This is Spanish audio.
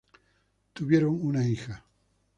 Tuvieron una hija.